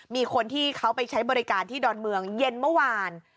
มีคนที่เขาไปใช้บริการที่ดอนเมืองเย็นเมื่อวาน